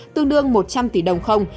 tương đương một trăm linh tỷ đồng không